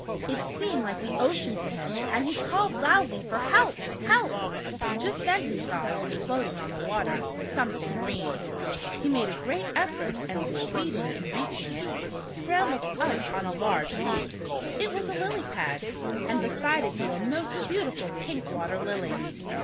It seemed like the ocean to him, and he called loudly for ''help, help!" Just then he saw^ floating on the water, some thing green. He made a great effort and suc ceeding in reaching it, scrambled up on a large leaf. It was a lily pad, and beside it grew a most beautiful pink water lily.